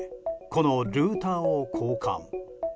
このルーターを交換。